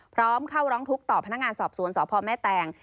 พร้อมเข้าร้องทุกข์ต่อพนักงานสอบสวนสพแม่แตง